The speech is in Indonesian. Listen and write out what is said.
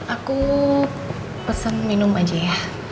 aku pesen minum aja ya